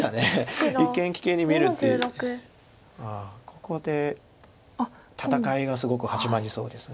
ああここで戦いがすごく始まりそうです。